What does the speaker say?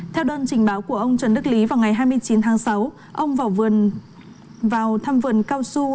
theo đơn trình báo của ông trấn đức lý vào ngày hai mươi chín tháng sáu ông vào thăm vườn cao su